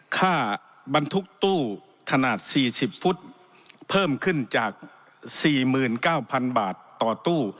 ค่าบรรทุกตู้ขนาดสี่สิบฟุตเพิ่มขึ้นจากสี่หมื่นเก้าพันบาทต่อตู้